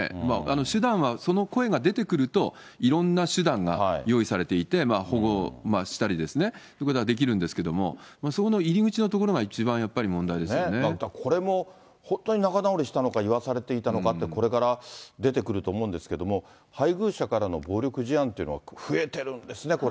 手段は、その声が出てくると、いろんな手段が用意されていて、保護したりですね、ということができるんですけど、その入口のところが、一番やっぱこれも、本当に仲直りしたのか言わされていたのかっていうのが、これから出てくると思うんですけども、配偶者からの暴力事案というのは増えてるんですね、これ。